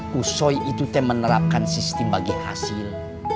kusoi itu menerapkan sistem bagian hasil